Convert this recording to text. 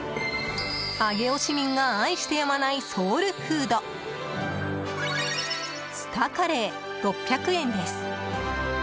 上尾市民が愛してやまないソウルフードスタカレー、６００円です。